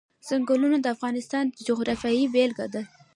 ځنګلونه د افغانستان د جغرافیې بېلګه ده.